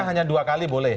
hanya dua kali boleh